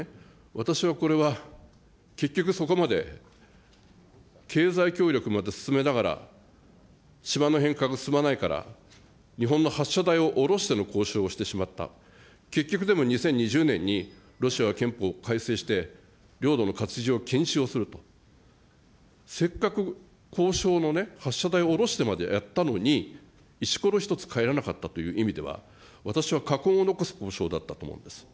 私はこれは、結局そこまで、経済協力まで進めながら、島の返還が進まないから、日本の発射台を降ろしての交渉をしてしまった、結局でも、２０２０年にロシアは憲法を改正して、領土の割譲を禁止をすると、せっかく交渉の発射台を降ろしてまでやったのに、石ころ一つかえられなかったという意味では、私は禍根を残す交渉だったと思うんです。